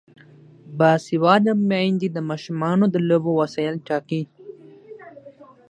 باسواده میندې د ماشومانو د لوبو وسایل ټاکي.